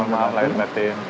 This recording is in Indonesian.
mohon maaf lahir batin